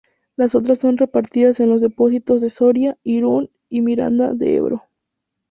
Las otras son repartidas en los depósitos de Soria, Irún y Miranda de Ebro.